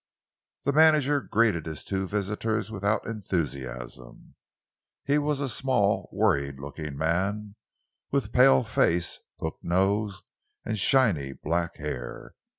The manager greeted his two visitors without enthusiasm. He was a small, worried looking man, with pale face, hooked nose and shiny black hair.